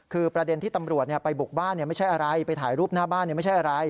คือประเด็นที่ตำรวจไปบุกบ้านไม่ใช่อะไรไปถ่ายรูปหน้าบ้านไม่ใช่อะไร